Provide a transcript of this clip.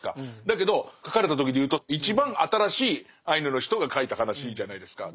だけど書かれた時でいうと一番新しいアイヌの人が書いた話じゃないですか。